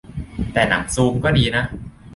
- แต่ "หนังซูม" ก็ดีนะ